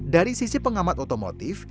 dari sisi pengamat otomotif